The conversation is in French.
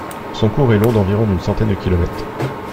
Son cours est long d'environ une centaine de kilomètres.